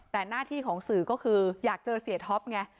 แต่หน้าที่ของสื่อก็คืออยากเจอเสียท็อปไง